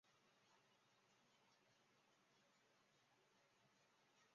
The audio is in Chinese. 学区范围为孝深里与孝冈里二里地区。